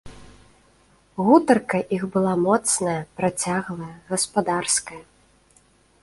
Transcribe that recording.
Гутарка іх была моцная, працяглая, гаспадарская.